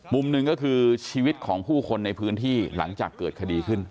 มุมหนึ่งก็คือชีวิตของผู้คนในพื้นที่หลังจากเกิดคดีขึ้น